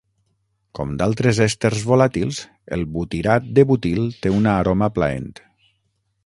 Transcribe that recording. Com d'altres èsters volàtils, el butirat de butil té una aroma plaent.